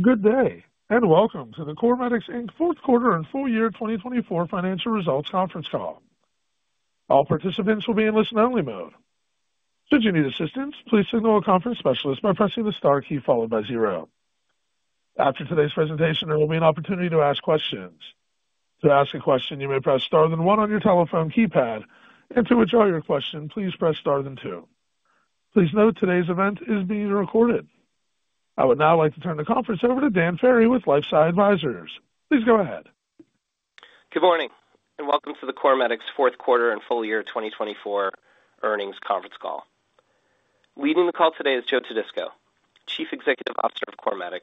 Good day, and welcome to the CorMedix fourth quarter and full year 2024 financial results conference call. All participants will be in listen-only mode. Should you need assistance, please signal a conference specialist by pressing the star key followed by zero. After today's presentation, there will be an opportunity to ask questions. To ask a question, you may press star then one on your telephone keypad, and to withdraw your question, please press star then two. Please note today's event is being recorded. I would now like to turn the conference over to Dan Ferry with LifeSci Advisors. Please go ahead. Good morning, and welcome to the CorMedix Fourth Quarter and Full Year 2024 Earnings Conference Call. Leading the call today is Joe Todisco, Chief Executive Officer of CorMedix.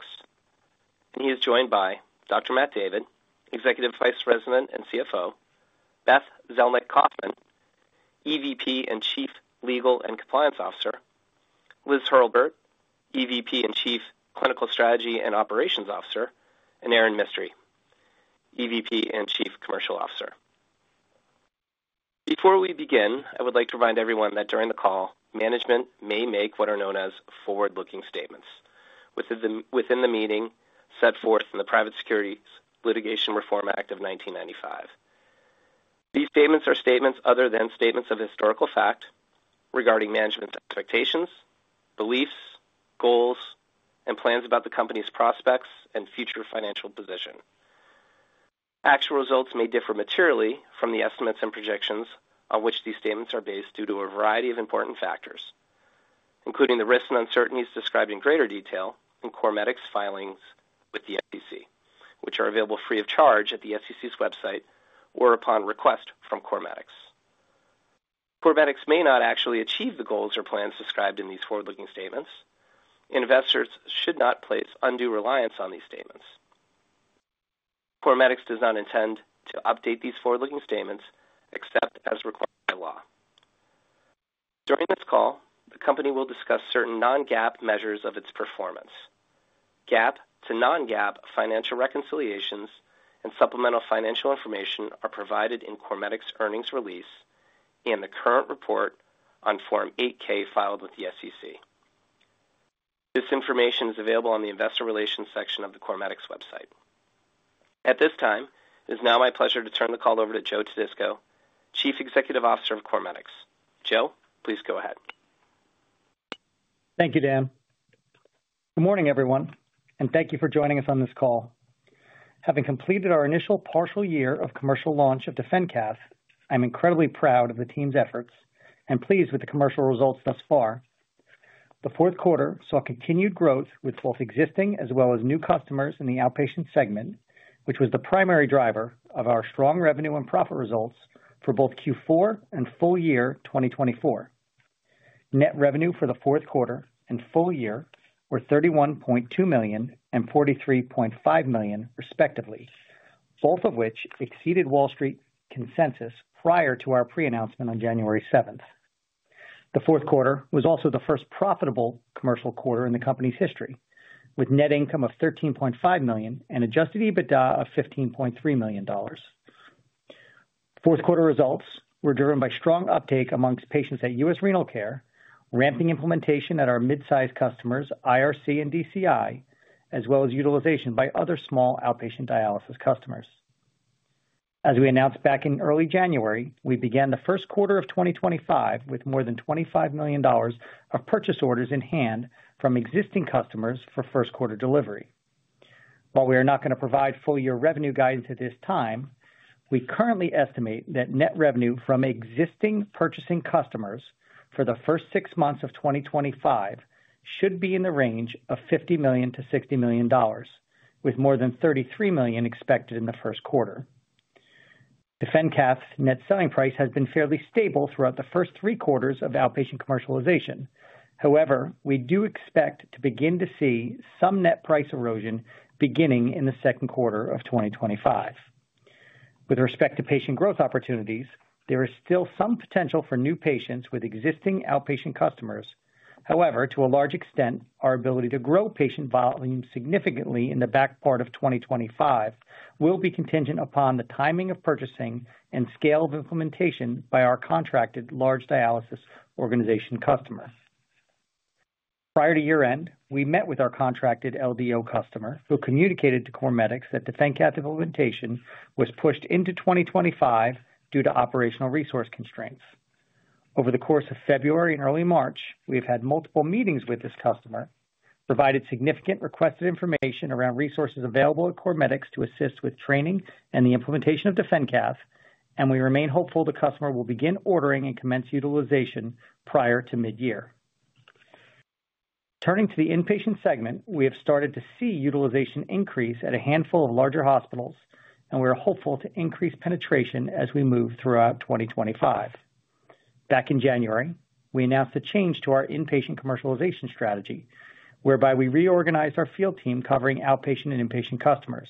He is joined by Dr. Matt David, Executive Vice President and CFO; Beth Zelnick-Kaufman, EVP and Chief Legal and Compliance Officer; Liz Hurlburt, EVP and Chief Clinical Strategy and Operations Officer; and Erin Mistry, EVP and Chief Commercial Officer. Before we begin, I would like to remind everyone that during the call, management may make what are known as forward-looking statements within the meaning set forth in the Private Securities Litigation Reform Act of 1995. These statements are statements other than statements of historical fact regarding management's expectations, beliefs, goals, and plans about the company's prospects and future financial position. Actual results may differ materially from the estimates and projections on which these statements are based due to a variety of important factors, including the risks and uncertainties described in greater detail in CorMedix filings with the SEC, which are available free of charge at the SEC's website or upon request from CorMedix. CorMedix may not actually achieve the goals or plans described in these forward-looking statements. Investors should not place undue reliance on these statements. CorMedix does not intend to update these forward-looking statements except as required by law. During this call, the company will discuss certain non-GAAP measures of its performance. GAAP to non-GAAP financial reconciliations and supplemental financial information are provided in CorMedix's earnings release and the current report on Form 8-K filed with the SEC. This information is available on the Investor Relations section of the CorMedix website. At this time, it is now my pleasure to turn the call over to Joe Todisco, Chief Executive Officer of CorMedix. Joe, please go ahead. Thank you, Dan. Good morning, everyone, and thank you for joining us on this call. Having completed our initial partial year of commercial launch of DefenCath, I'm incredibly proud of the team's efforts and pleased with the commercial results thus far. The fourth quarter saw continued growth with both existing as well as new customers in the outpatient segment, which was the primary driver of our strong revenue and profit results for both Q4 and full year 2024. Net revenue for the fourth quarter and full year were $31.2 million and $43.5 million, respectively, both of which exceeded Wall Street consensus prior to our pre-announcement on January 7th. The fourth quarter was also the first profitable commercial quarter in the company's history, with net income of $13.5 million and adjusted EBITDA of $15.3 million. Fourth quarter results were driven by strong uptake amongst patients at US Renal Care, ramping implementation at our mid-sized customers, IRC and DCI, as well as utilization by other small outpatient dialysis customers. As we announced back in early January, we began the first quarter of 2025 with more than $25 million of purchase orders in hand from existing customers for first quarter delivery. While we are not going to provide full year revenue guidance at this time, we currently estimate that net revenue from existing purchasing customers for the first six months of 2025 should be in the range of $50 million-$60 million, with more than $33 million expected in the first quarter. DefenCath's net selling price has been fairly stable throughout the first three quarters of outpatient commercialization. However, we do expect to begin to see some net price erosion beginning in the second quarter of 2025. With respect to patient growth opportunities, there is still some potential for new patients with existing outpatient customers. However, to a large extent, our ability to grow patient volume significantly in the back part of 2025 will be contingent upon the timing of purchasing and scale of implementation by our contracted large dialysis organization customers. Prior to year-end, we met with our contracted LDO customer who communicated to CorMedix that DefenCath implementation was pushed into 2025 due to operational resource constraints. Over the course of February and early March, we have had multiple meetings with this customer, provided significant requested information around resources available at CorMedix to assist with training and the implementation of DefenCath, and we remain hopeful the customer will begin ordering and commence utilization prior to mid-year. Turning to the inpatient segment, we have started to see utilization increase at a handful of larger hospitals, and we are hopeful to increase penetration as we move throughout 2025. Back in January, we announced a change to our inpatient commercialization strategy, whereby we reorganized our field team covering outpatient and inpatient customers.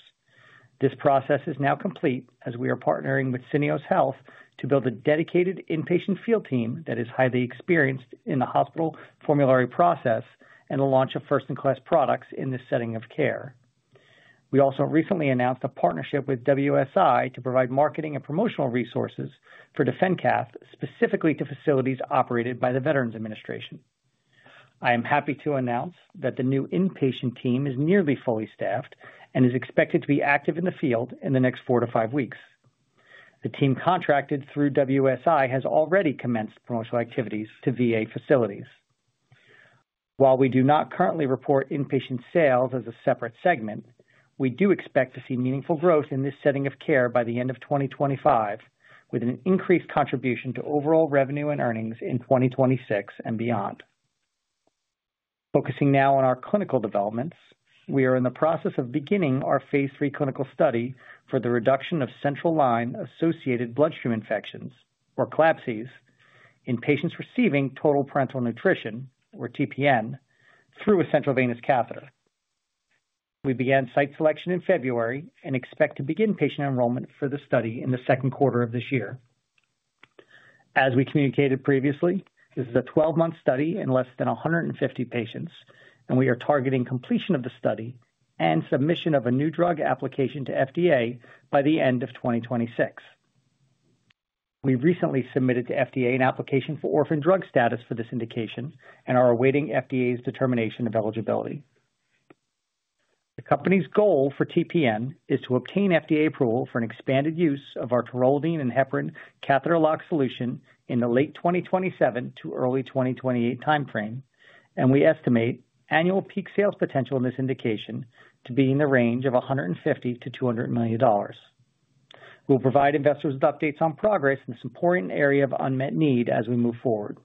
This process is now complete as we are partnering with Syneos Health to build a dedicated inpatient field team that is highly experienced in the hospital formulary process and the launch of first-in-class products in this setting of care. We also recently announced a partnership with WSI to provide marketing and promotional resources for DefenCath specifically to facilities operated by the Veterans Administration. I am happy to announce that the new inpatient team is nearly fully staffed and is expected to be active in the field in the next four to five weeks. The team contracted through WSI has already commenced promotional activities to VA facilities. While we do not currently report inpatient sales as a separate segment, we do expect to see meaningful growth in this setting of care by the end of 2025, with an increased contribution to overall revenue and earnings in 2026 and beyond. Focusing now on our clinical developments, we are in the process of beginning our phase three clinical study for the reduction of central line-associated bloodstream infections, or CLABSIs, in patients receiving total parenteral nutrition, or TPN, through a central venous catheter. We began site selection in February and expect to begin patient enrollment for the study in the second quarter of this year. As we communicated previously, this is a 12-month study in fewer than 150 patients, and we are targeting completion of the study and submission of a new drug application to FDA by the end of 2026. We recently submitted to FDA an application for orphan drug status for this indication and are awaiting FDA's determination of eligibility. The company's goal for TPN is to obtain FDA approval for an expanded use of our taurolidine and heparin catheter lock solution in the late 2027 to early 2028 timeframe, and we estimate annual peak sales potential in this indication to be in the range of $150 million-$200 million. We'll provide investors with updates on progress in this important area of unmet need as we move forward.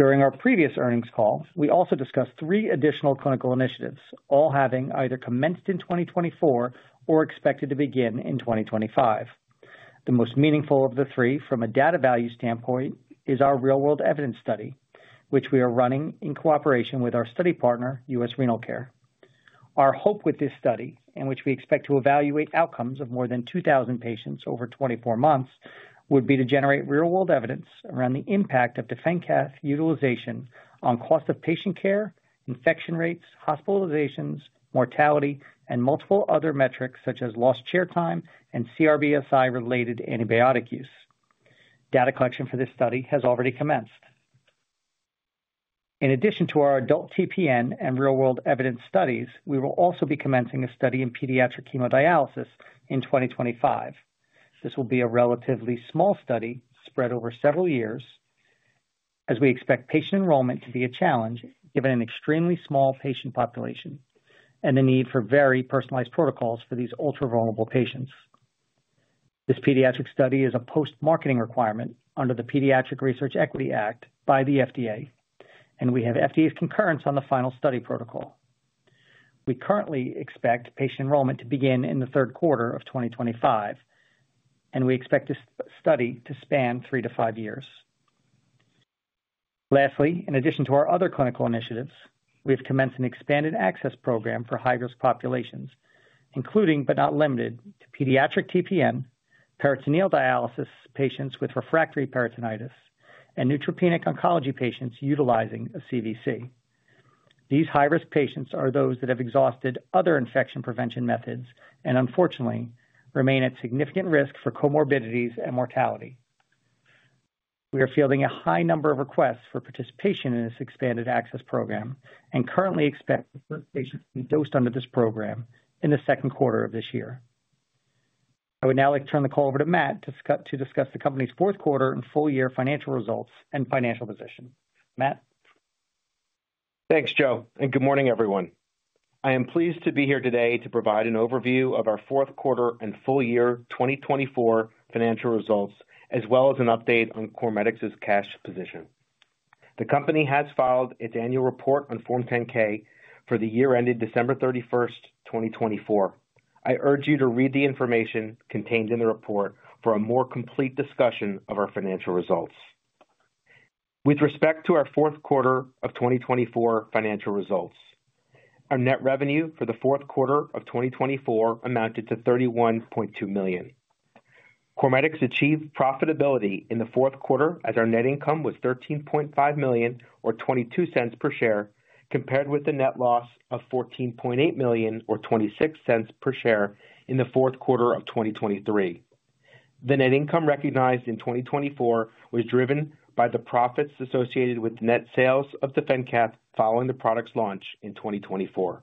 During our previous earnings call, we also discussed three additional clinical initiatives, all having either commenced in 2024 or expected to begin in 2025. The most meaningful of the three, from a data value standpoint, is our real-world evidence study, which we are running in cooperation with our study partner, U.S. Renal Care. Our hope with this study, in which we expect to evaluate outcomes of more than 2,000 patients over 24 months, would be to generate real-world evidence around the impact of DefenCath utilization on cost of patient care, infection rates, hospitalizations, mortality, and multiple other metrics such as lost chair time and CRBSI-related antibiotic use. Data collection for this study has already commenced. In addition to our adult TPN and real-world evidence studies, we will also be commencing a study in pediatric hemodialysis in 2025. This will be a relatively small study spread over several years, as we expect patient enrollment to be a challenge given an extremely small patient population and the need for very personalized protocols for these ultra-vulnerable patients. This pediatric study is a post-marketing requirement under the Pediatric Research Equity Act by the FDA, and we have FDA's concurrence on the final study protocol. We currently expect patient enrollment to begin in the third quarter of 2025, and we expect this study to span three to five years. Lastly, in addition to our other clinical initiatives, we have commenced an expanded access program for high-risk populations, including but not limited to pediatric TPN, peritoneal dialysis patients with refractory peritonitis, and neutropenic oncology patients utilizing a CVC. These high-risk patients are those that have exhausted other infection prevention methods and, unfortunately, remain at significant risk for comorbidities and mortality. We are fielding a high number of requests for participation in this expanded access program and currently expect patients to be dosed under this program in the second quarter of this year. I would now like to turn the call over to Matt to discuss the company's fourth quarter and full year financial results and financial position. Matt. Thanks, Joe, and good morning, everyone. I am pleased to be here today to provide an overview of our fourth quarter and full year 2024 financial results, as well as an update on CorMedix's cash position. The company has filed its annual report on Form 10-K for the year ended December 31st, 2024. I urge you to read the information contained in the report for a more complete discussion of our financial results. With respect to our fourth quarter of 2024 financial results, our net revenue for the fourth quarter of 2024 amounted to $31.2 million. CorMedix achieved profitability in the fourth quarter as our net income was $13.5 million, or $0.22 per share, compared with the net loss of $14.8 million, or $0.26 per share, in the fourth quarter of 2023. The net income recognized in 2024 was driven by the profits associated with net sales of DefenCath following the product's launch in 2024.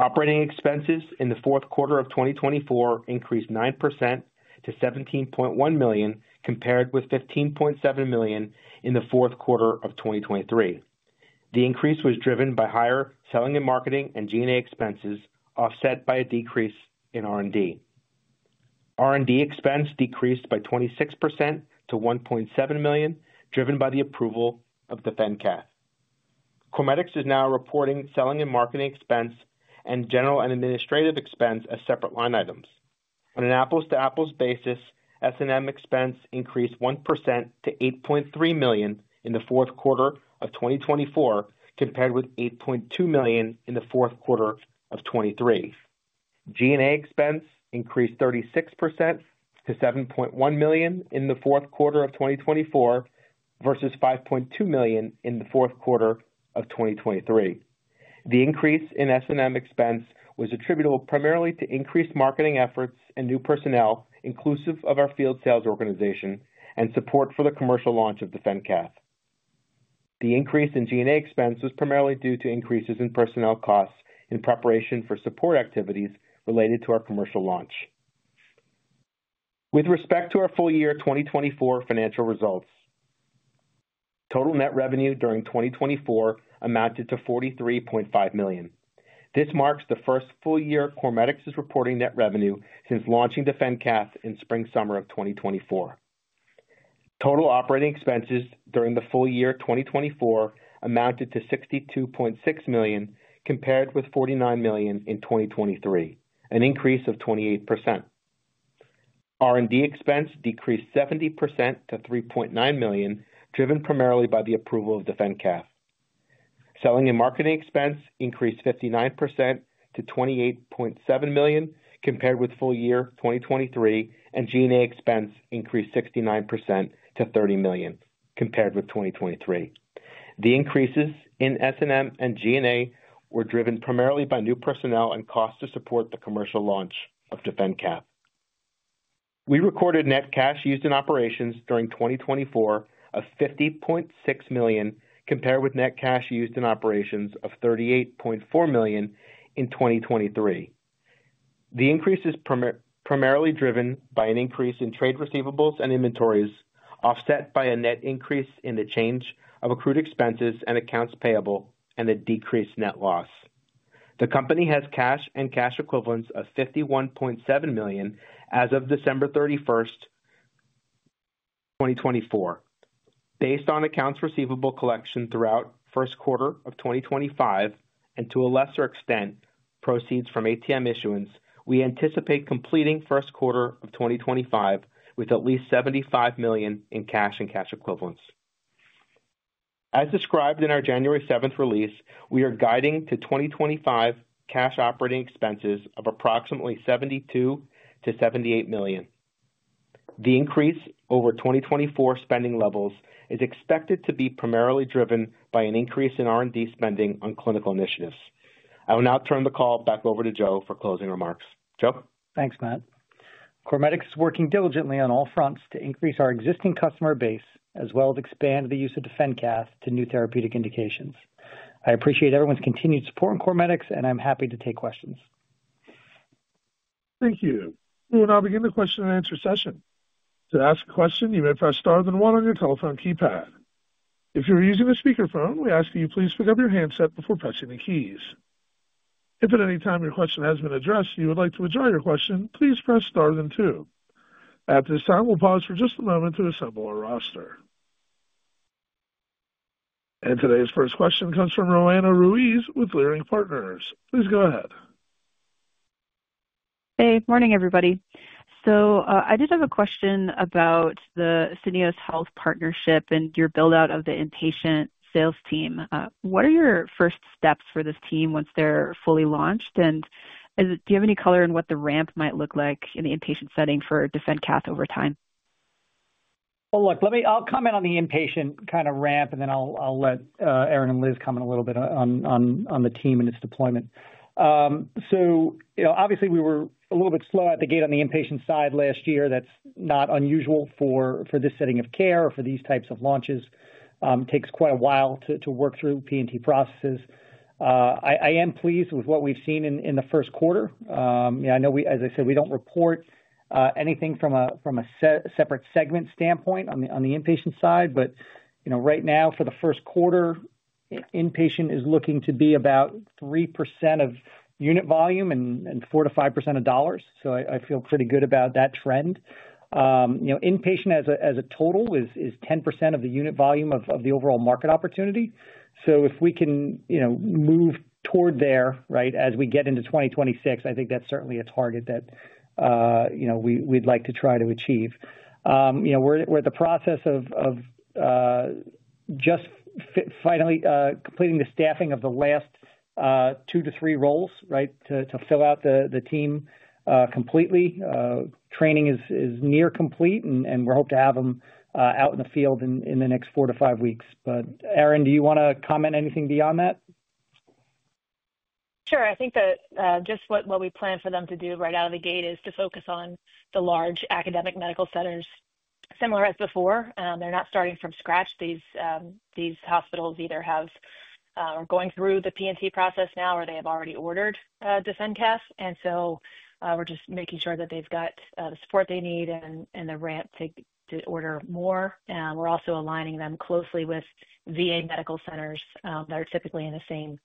Operating expenses in the fourth quarter of 2024 increased 9% to $17.1 million, compared with $15.7 million in the fourth quarter of 2023. The increase was driven by higher selling and marketing and G&A expenses, offset by a decrease in R&D. R&D expense decreased by 26% to $1.7 million, driven by the approval of DefenCath. CorMedix is now reporting selling and marketing expense and general and administrative expense as separate line items. On an apples-to-apples basis, S&M expense increased 1% to $8.3 million in the fourth quarter of 2024, compared with $8.2 million in the fourth quarter of 2023. G&A expense increased 36% to $7.1 million in the fourth quarter of 2024 versus $5.2 million in the fourth quarter of 2023. The increase in S&M expense was attributable primarily to increased marketing efforts and new personnel, inclusive of our field sales organization and support for the commercial launch of DefenCath. The increase in G&A expense was primarily due to increases in personnel costs in preparation for support activities related to our commercial launch. With respect to our full year 2024 financial results, total net revenue during 2024 amounted to $43.5 million. This marks the first full year CorMedix is reporting net revenue since launching DefenCath in spring/summer of 2024. Total operating expenses during the full year 2024 amounted to $62.6 million, compared with $49 million in 2023, an increase of 28%. R&D expense decreased 70% to $3.9 million, driven primarily by the approval of DefenCath. Selling and marketing expense increased 59% to $28.7 million, compared with full year 2023, and G&A expense increased 69% to $30 million, compared with 2023. The increases in S&M and G&A were driven primarily by new personnel and costs to support the commercial launch of DefenCath. We recorded net cash used in operations during 2024 of $50.6 million, compared with net cash used in operations of $38.4 million in 2023. The increase is primarily driven by an increase in trade receivables and inventories, offset by a net increase in the change of accrued expenses and accounts payable, and a decreased net loss. The company has cash and cash equivalents of $51.7 million as of December 31st, 2024. Based on accounts receivable collection throughout first quarter of 2025, and to a lesser extent, proceeds from ATM issuance, we anticipate completing first quarter of 2025 with at least $75 million in cash and cash equivalents. As described in our January 7th release, we are guiding to 2025 cash operating expenses of approximately $72 million-$78 million. The increase over 2024 spending levels is expected to be primarily driven by an increase in R&D spending on clinical initiatives. I will now turn the call back over to Joe for closing remarks. Joe. Thanks, Matt. CorMedix is working diligently on all fronts to increase our existing customer base as well as expand the use of DefenCath to new therapeutic indications. I appreciate everyone's continued support in CorMedix, and I'm happy to take questions. Thank you. We will now begin the question-and-answer session. To ask a question, you may press star then one on your telephone keypad. If you are using a speakerphone, we ask that you please pick up your handset before pressing the keys. If at any time your question has been addressed and you would like to withdraw your question, please press star then two. At this time, we'll pause for just a moment to assemble our roster. Today's first question comes from Roanna Ruiz with Leerink Partners. Please go ahead. Hey, good morning, everybody. I did have a question about the Syneos Health partnership and your build-out of the inpatient sales team. What are your first steps for this team once they're fully launched? Do you have any color on what the ramp might look like in the inpatient setting for DefenCath over time? I'll comment on the inpatient kind of ramp, and then I'll let Erin and Liz comment a little bit on the team and its deployment. Obviously, we were a little bit slow at the gate on the inpatient side last year. That's not unusual for this setting of care or for these types of launches. It takes quite a while to work through P&T processes. I am pleased with what we've seen in the first quarter. I know, as I said, we don't report anything from a separate segment standpoint on the inpatient side, but right now, for the first quarter, inpatient is looking to be about 3% of unit volume and 4%-5% of dollars. I feel pretty good about that trend. Inpatient as a total is 10% of the unit volume of the overall market opportunity. If we can move toward there as we get into 2026, I think that's certainly a target that we'd like to try to achieve. We're at the process of just finally completing the staffing of the last two to three roles to fill out the team completely. Training is near complete, and we hope to have them out in the field in the next four to five weeks. Erin, do you want to comment anything beyond that? Sure. I think that just what we plan for them to do right out of the gate is to focus on the large academic medical centers. Similar as before, they're not starting from scratch. These hospitals either are going through the P&T process now or they have already ordered DefenCath. We are just making sure that they've got the support they need and the ramp to order more. We are also aligning them closely with VA medical centers that are typically in the same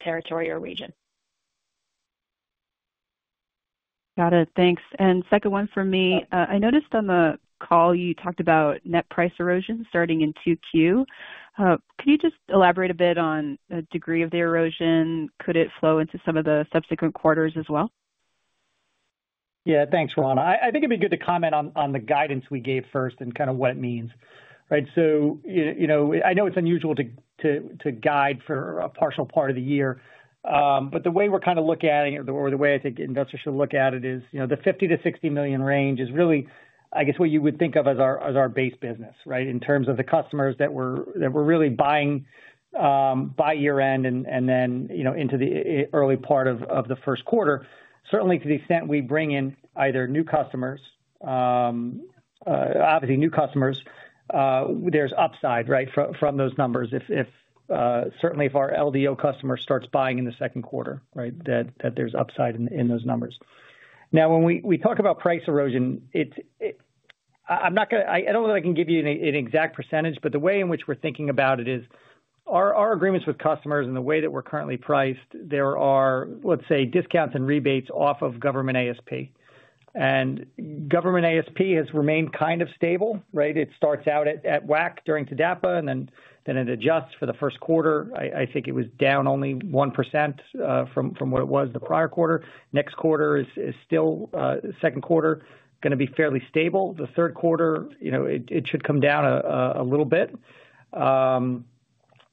territory or region. Got it. Thanks. Second one for me, I noticed on the call you talked about net price erosion starting in Q2. Could you just elaborate a bit on the degree of the erosion? Could it flow into some of the subsequent quarters as well? Yeah, thanks, Roanna. I think it'd be good to comment on the guidance we gave first and kind of what it means. I know it's unusual to guide for a partial part of the year, but the way we're kind of looking at it, or the way I think investors should look at it, is the $50 million-$60 million range is really, I guess, what you would think of as our base business in terms of the customers that we're really buying by year-end and then into the early part of the first quarter. Certainly, to the extent we bring in either new customers, obviously new customers, there's upside from those numbers. Certainly, if our LDO customer starts buying in the second quarter, there's upside in those numbers. Now, when we talk about price erosion, I don't know that I can give you an exact percentage, but the way in which we're thinking about it is our agreements with customers and the way that we're currently priced, there are, let's say, discounts and rebates off of government ASP. And government ASP has remained kind of stable. It starts out at WAC during TDAPA, and then it adjusts for the first quarter. I think it was down only 1% from what it was the prior quarter. Next quarter is still, second quarter, going to be fairly stable. The third quarter, it should come down a little bit.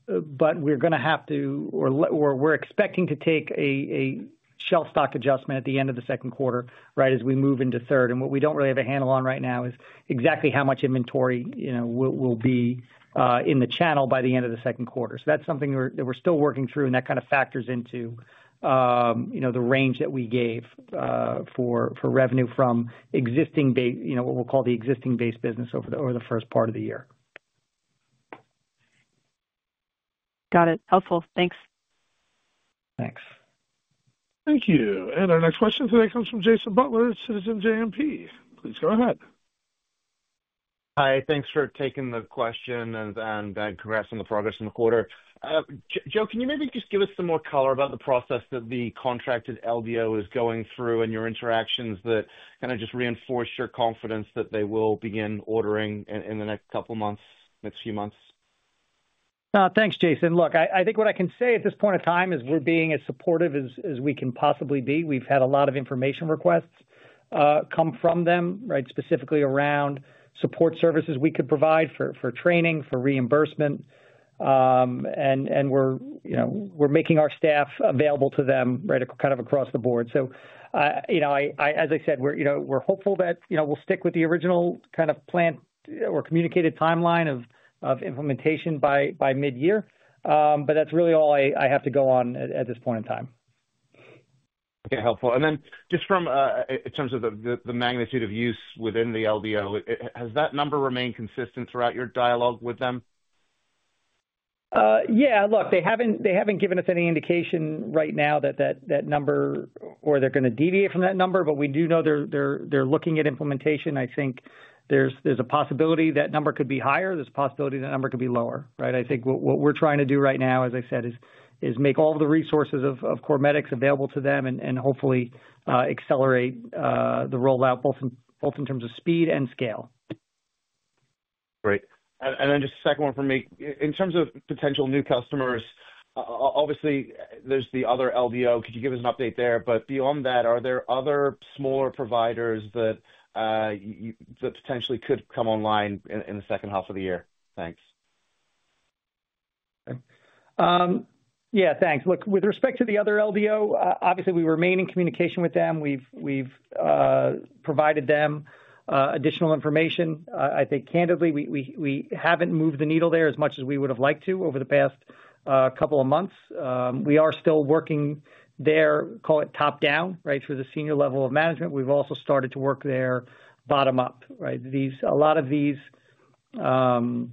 But we're going to have to, or we're expecting to take a shelf stock adjustment at the end of the second quarter as we move into third. What we do not really have a handle on right now is exactly how much inventory will be in the channel by the end of the second quarter. That is something that we are still working through, and that kind of factors into the range that we gave for revenue from what we will call the existing base business over the first part of the year. Got it. Helpful. Thanks. Thanks. Thank you. Our next question today comes from Jason Butler, Citizens JMP. Please go ahead. Hi. Thanks for taking the question and congrats on the progress in the quarter. Joe, can you maybe just give us some more color about the process that the contracted LDO is going through and your interactions that kind of just reinforce your confidence that they will begin ordering in the next couple of months, next few months? Thanks, Jason. Look, I think what I can say at this point in time is we're being as supportive as we can possibly be. We've had a lot of information requests come from them, specifically around support services we could provide for training, for reimbursement. We're making our staff available to them kind of across the board. As I said, we're hopeful that we'll stick with the original kind of plan or communicated timeline of implementation by mid-year. That is really all I have to go on at this point in time. Okay. Helpful. And then just in terms of the magnitude of use within the LDO, has that number remained consistent throughout your dialogue with them? Yeah. Look, they haven't given us any indication right now that that number, or they're going to deviate from that number, but we do know they're looking at implementation. I think there's a possibility that number could be higher. There's a possibility that number could be lower. I think what we're trying to do right now, as I said, is make all the resources of CorMedix available to them and hopefully accelerate the rollout, both in terms of speed and scale. Great. Then just a second one for me. In terms of potential new customers, obviously, there's the other LDO. Could you give us an update there? Beyond that, are there other smaller providers that potentially could come online in the second half of the year? Thanks. Yeah, thanks. Look, with respect to the other LDO, obviously, we remain in communication with them. We've provided them additional information. I think, candidly, we haven't moved the needle there as much as we would have liked to over the past couple of months. We are still working there, call it top-down, through the senior level of management. We've also started to work there bottom-up. A lot of these large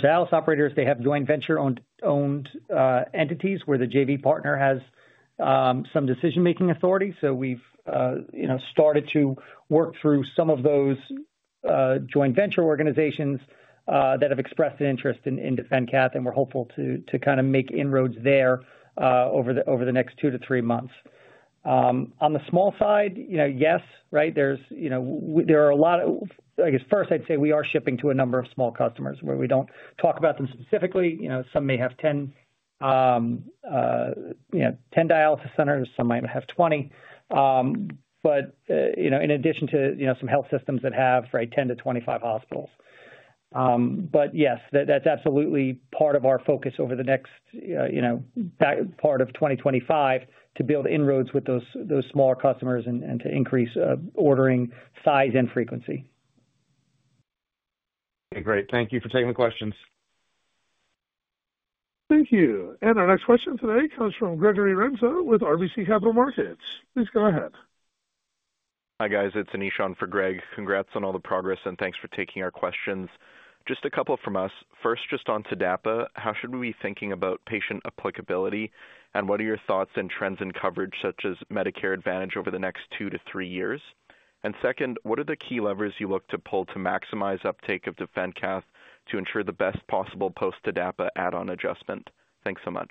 dialysis operators, they have joint venture-owned entities where the JV partner has some decision-making authority. So we've started to work through some of those joint venture organizations that have expressed an interest in DefenCath, and we're hopeful to kind of make inroads there over the next two to three months. On the small side, yes, there are a lot of, I guess, first, I'd say we are shipping to a number of small customers where we don't talk about them specifically. Some may have 10 dialysis centers. Some might have 20. In addition to some health systems that have 10-25 hospitals. Yes, that's absolutely part of our focus over the next part of 2025 to build inroads with those smaller customers and to increase ordering size and frequency. Okay. Great. Thank you for taking the questions. Thank you. Our next question today comes from Gregory Renzo with RBC Capital Markets. Please go ahead. Hi guys. It's Anish for Greg. Congrats on all the progress, and thanks for taking our questions. Just a couple from us. First, just on TDAPA, how should we be thinking about patient applicability, and what are your thoughts and trends in coverage such as Medicare Advantage over the next two to three years? Second, what are the key levers you look to pull to maximize uptake of DefenCath to ensure the best possible post-TDAPA add-on adjustment? Thanks so much.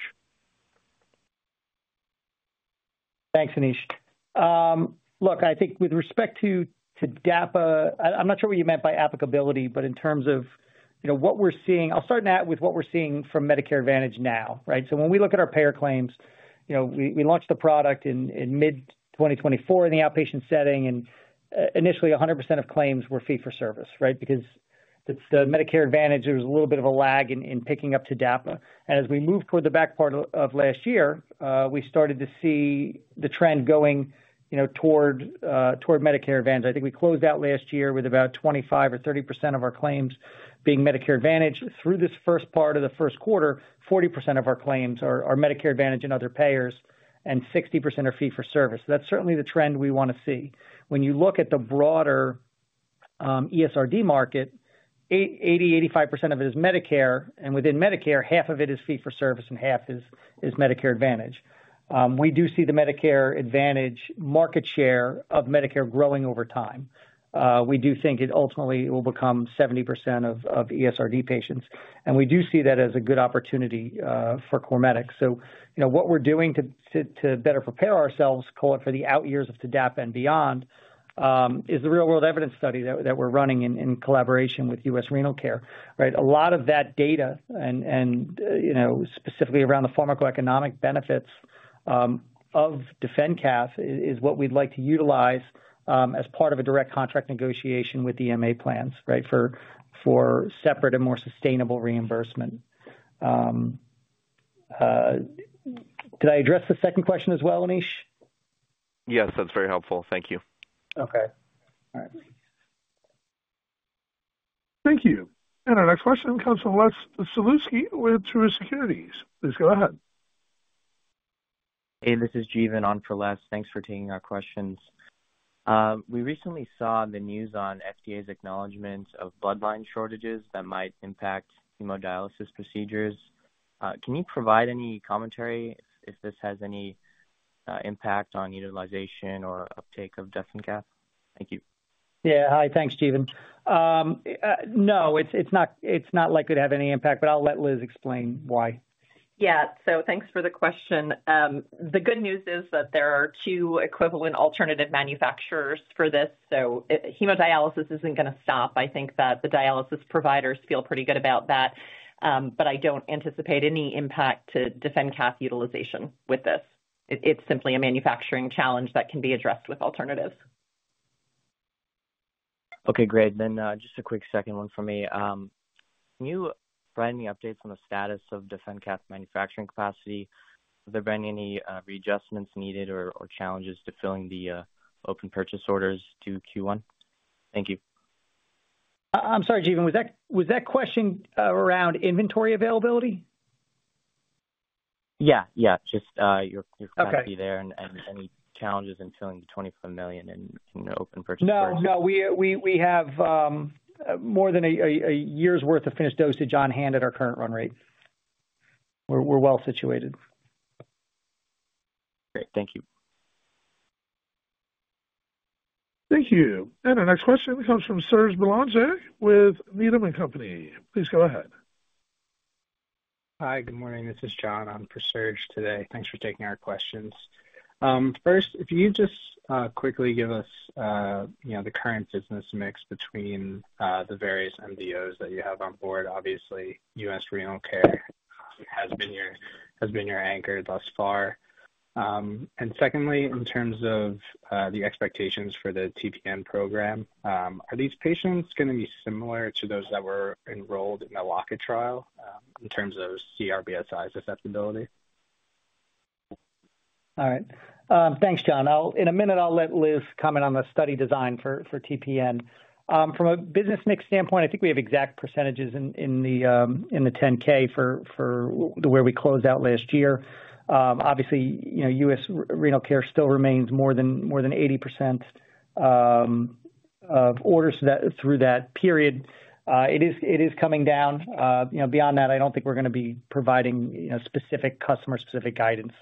Thanks, Anish. Look, I think with respect to TDAPA, I'm not sure what you meant by applicability, but in terms of what we're seeing, I'll start with what we're seeing from Medicare Advantage now. When we look at our payer claims, we launched the product in mid-2024 in the outpatient setting, and initially, 100% of claims were fee-for-service because the Medicare Advantage was a little bit of a lag in picking up TDAPA. As we moved toward the back part of last year, we started to see the trend going toward Medicare Advantage. I think we closed out last year with about 25% or 30% of our claims being Medicare Advantage. Through this first part of the first quarter, 40% of our claims are Medicare Advantage and other payers, and 60% are fee-for-service. That's certainly the trend we want to see. When you look at the broader ESRD market, 85% of it is Medicare, and within Medicare, half of it is fee-for-service and half is Medicare Advantage. We do see the Medicare Advantage market share of Medicare growing over time. We do think it ultimately will become 70% of ESRD patients. We do see that as a good opportunity for CorMedix. What we are doing to better prepare ourselves, call it for the out years of TDAPA and beyond, is the real-world evidence study that we are running in collaboration with U.S. Renal Care. A lot of that data, and specifically around the pharmacoeconomic benefits of DefenCath, is what we would like to utilize as part of a direct contract negotiation with MA plans for separate and more sustainable reimbursement. Did I address the second question as well, Anish? Yes, that's very helpful. Thank you. Okay. All right. Thank you. Our next question comes from Les Sulewski with Truist Securities. Please go ahead. Hey, this is [Javin] on for Les. Thanks for taking our questions. We recently saw the news on FDA's acknowledgment of bloodline shortages that might impact hemodialysis procedures. Can you provide any commentary if this has any impact on utilization or uptake of DefenCath? Thank you. Yeah. Hi. Thanks, Javin. No, it's not likely to have any impact, but I'll let Liz explain why. Yeah. Thanks for the question. The good news is that there are two equivalent alternative manufacturers for this. Hemodialysis isn't going to stop. I think that the dialysis providers feel pretty good about that. I don't anticipate any impact to DefenCath utilization with this. It's simply a manufacturing challenge that can be addressed with alternatives. Okay. Great. Then just a quick second one from me. Can you provide any updates on the status of DefenCath manufacturing capacity? Are there any readjustments needed or challenges to filling the open purchase orders to Q1? Thank you. I'm sorry, Javin. Was that question around inventory availability? Yeah. Yeah. Just your capacity there and any challenges in filling the $25 million in open purchase orders. No. No. We have more than a year's worth of finished dosage on hand at our current run rate. We're well situated. Great. Thank you. Thank you. Our next question comes from Serge Belanger with Needham & Company. Please go ahead. Hi. Good morning. This is John on for Serge today. Thanks for taking our questions. First, if you just quickly give us the current business mix between the various LDOs that you have on board. Obviously, U.S. Renal Care has been your anchor thus far. Secondly, in terms of the expectations for the TPN program, are these patients going to be similar to those that were enrolled in the LOCK-IT trial in terms of CRBSI's acceptability? All right. Thanks, John. In a minute, I'll let Liz comment on the study design for TPN. From a business mix standpoint, I think we have exact percentages in the 10-K for where we closed out last year. Obviously, U.S. Renal Care still remains more than 80% of orders through that period. It is coming down. Beyond that, I don't think we're going to be providing specific customer-specific guidance,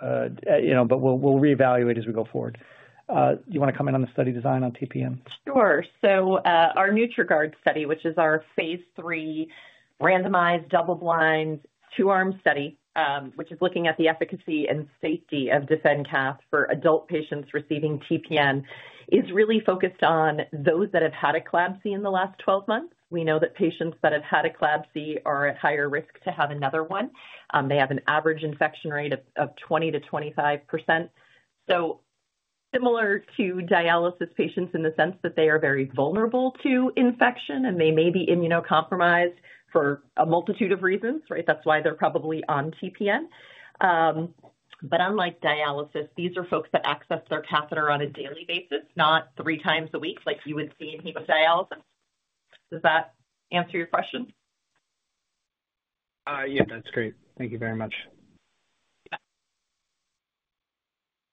but we'll reevaluate as we go forward. Do you want to comment on the study design on TPN? Sure. Our NutriGuard study, which is our phase III randomized double-blind two-arm study, which is looking at the efficacy and safety of DefenCath for adult patients receiving TPN, is really focused on those that have had a CLABSI in the last 12 months. We know that patients that have had a CLABSI are at higher risk to have another one. They have an average infection rate of 20%-25%. Similar to dialysis patients in the sense that they are very vulnerable to infection, and they may be immunocompromised for a multitude of reasons. That is why they are probably on TPN. Unlike dialysis, these are folks that access their catheter on a daily basis, not three times a week like you would see in hemodialysis. Does that answer your question? Yeah. That's great. Thank you very much.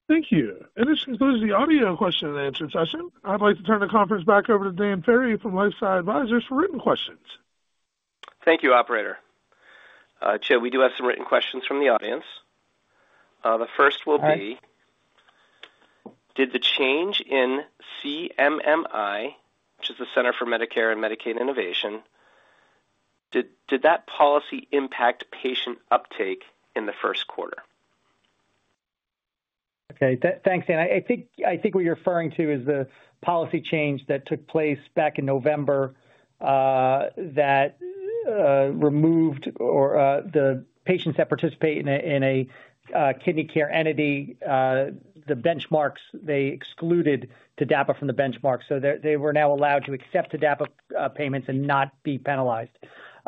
Thank you. This concludes the audio question-and-answer session. I'd like to turn the conference back over to Dan Ferry from LifeSci Advisors for written questions. Thank you, Operator. Chip, we do have some written questions from the audience. The first will be, did the change in CMMI, which is the Center for Medicare and Medicaid Innovation, did that policy impact patient uptake in the first quarter? Okay. Thanks, Dan. I think what you're referring to is the policy change that took place back in November that removed the patients that participate in a kidney care entity, the benchmarks they excluded TDAPA from the benchmarks. They were now allowed to accept TDAPA payments and not be penalized.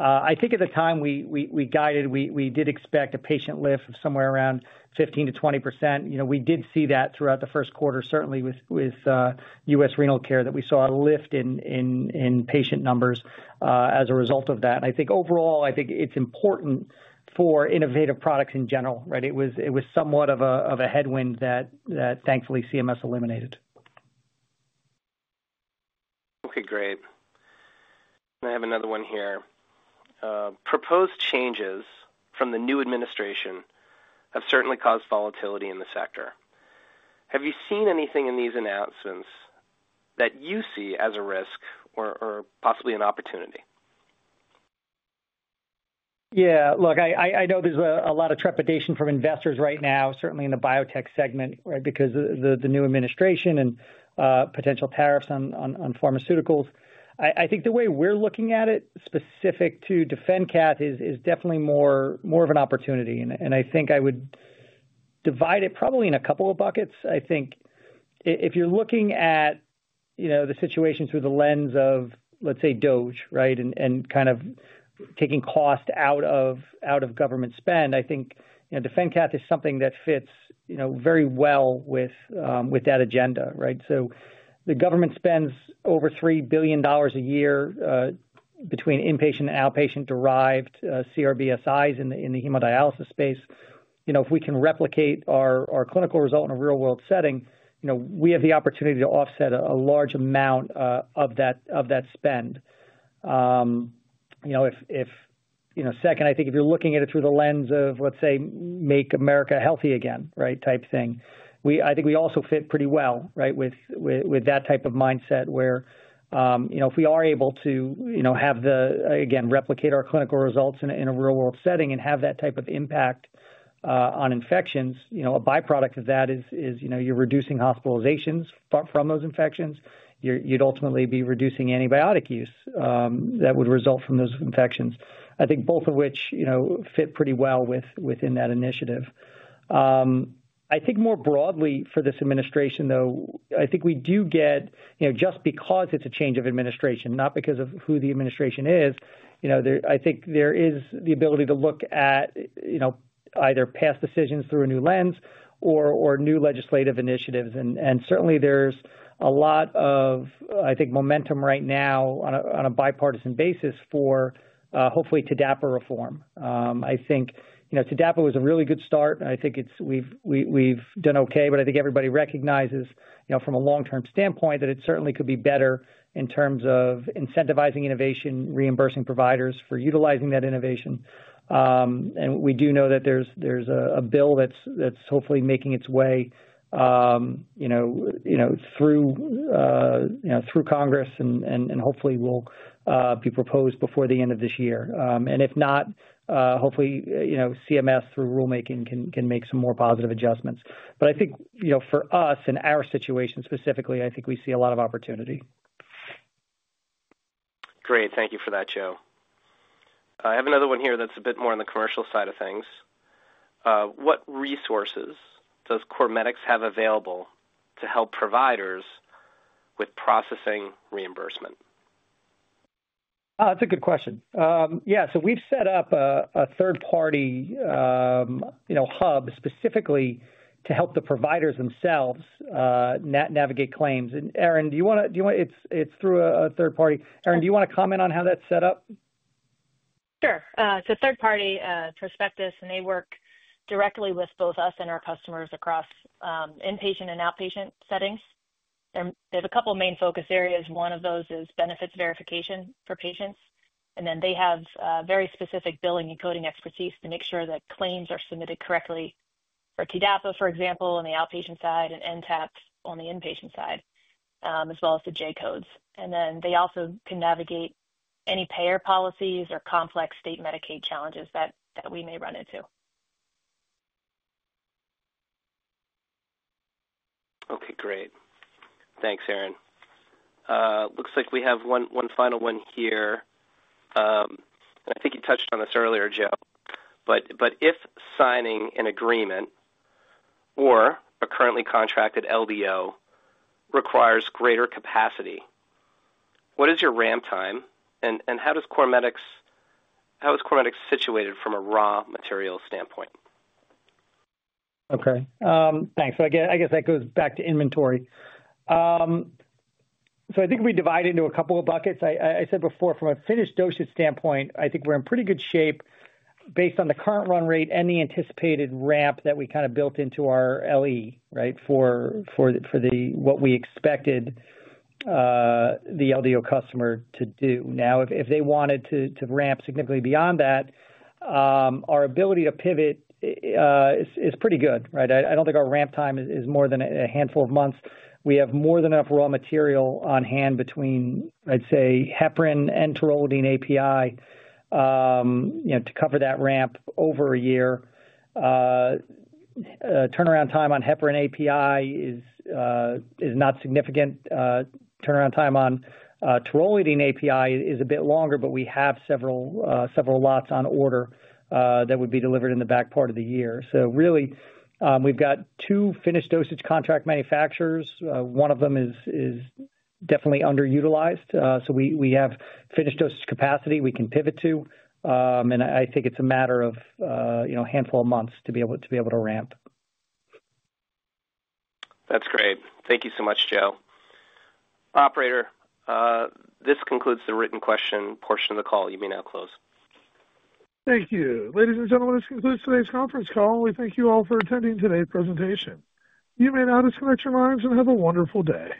I think at the time we guided, we did expect a patient lift of somewhere around 15%-20%. We did see that throughout the first quarter, certainly with U.S. Renal Care, that we saw a lift in patient numbers as a result of that. I think overall, I think it's important for innovative products in general. It was somewhat of a headwind that thankfully CMS eliminated. Okay. Great. I have another one here. Proposed changes from the new administration have certainly caused volatility in the sector. Have you seen anything in these announcements that you see as a risk or possibly an opportunity? Yeah. Look, I know there's a lot of trepidation from investors right now, certainly in the biotech segment, because of the new administration and potential tariffs on pharmaceuticals. I think the way we're looking at it specific to DefenCath is definitely more of an opportunity. I think I would divide it probably in a couple of buckets. I think if you're looking at the situation through the lens of, let's say, CMS and kind of taking cost out of government spend, I think DefenCath is something that fits very well with that agenda. The government spends over $3 billion a year between inpatient and outpatient-derived CRBSIs in the hemodialysis space. If we can replicate our clinical result in a real-world setting, we have the opportunity to offset a large amount of that spend. Second, I think if you're looking at it through the lens of, let's say, make America healthy again type thing, I think we also fit pretty well with that type of mindset where if we are able to have, again, replicate our clinical results in a real-world setting and have that type of impact on infections, a byproduct of that is you're reducing hospitalizations from those infections. You'd ultimately be reducing antibiotic use that would result from those infections. I think both of which fit pretty well within that initiative. I think more broadly for this administration, though, I think we do get just because it's a change of administration, not because of who the administration is, I think there is the ability to look at either past decisions through a new lens or new legislative initiatives. Certainly, there's a lot of, I think, momentum right now on a bipartisan basis for hopefully TDAPA reform. I think TDAPA was a really good start. I think we've done okay, but I think everybody recognizes from a long-term standpoint that it certainly could be better in terms of incentivizing innovation, reimbursing providers for utilizing that innovation. We do know that there's a bill that's hopefully making its way through Congress and hopefully will be proposed before the end of this year. If not, hopefully CMS through rulemaking can make some more positive adjustments. I think for us and our situation specifically, I think we see a lot of opportunity. Great. Thank you for that, Joe. I have another one here that's a bit more on the commercial side of things. What resources does CorMedix have available to help providers with processing reimbursement? That's a good question. Yeah. We've set up a third-party hub specifically to help the providers themselves navigate claims. It is through a third party. Erin, do you want to comment on how that's set up? Sure. Third-party prospectus, and they work directly with both us and our customers across inpatient and outpatient settings. They have a couple of main focus areas. One of those is benefits verification for patients. They have very specific billing and coding expertise to make sure that claims are submitted correctly for TDAPA, for example, on the outpatient side, and NTAPs on the inpatient side, as well as the J codes. They also can navigate any payer policies or complex state Medicaid challenges that we may run into. Okay. Great. Thanks, Erin. Looks like we have one final one here. I think you touched on this earlier, Joe. If signing an agreement or a currently contracted LDO requires greater capacity, what is your ramp time? How is CorMedix situated from a raw material standpoint? Okay. Thanks. I guess that goes back to inventory. I think we divide into a couple of buckets. I said before, from a finished dosage standpoint, I think we're in pretty good shape based on the current run rate and the anticipated ramp that we kind of built into our LE for what we expected the LDO customer to do. Now, if they wanted to ramp significantly beyond that, our ability to pivot is pretty good. I don't think our ramp time is more than a handful of months. We have more than enough raw material on hand between, I'd say, heparin and taurolidine API to cover that ramp over a year. Turnaround time on heparin API is not significant. Turnaround time on taurolidine API is a bit longer, but we have several lots on order that would be delivered in the back part of the year. Really, we've got two finished dosage contract manufacturers. One of them is definitely underutilized. We have finished dosage capacity we can pivot to. I think it's a matter of a handful of months to be able to ramp. That's great. Thank you so much, Joe. Operator, this concludes the written question portion of the call. You may now close. Thank you. Ladies and gentlemen, this concludes today's conference call. We thank you all for attending today's presentation. You may now disconnect your lines and have a wonderful day.